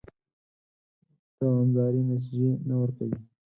دوامدارې نتیجې نه ورکوي.